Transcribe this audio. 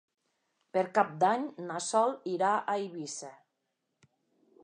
Per Cap d'Any na Sol irà a Eivissa.